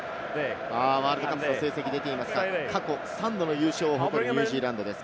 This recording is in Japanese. ワールドカップの成績が出ていますが、過去３度の優勝を誇るニュージーランドです。